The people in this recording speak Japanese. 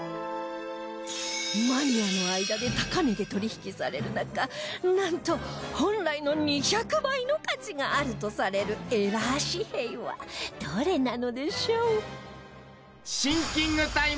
マニアの間で高値で取引される中なんと本来の２００倍の価値があるとされるエラー紙幣はどれなのでしょう？